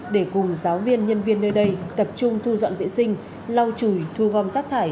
để cùng giáo viên nhân viên nơi đây tập trung thu dọn vệ sinh lau chùi thu gom rác thải